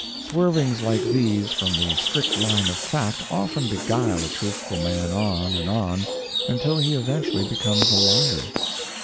Swervings like these from the strict line of fact often beguile a truthful man on and on until he eventually becomes a liar.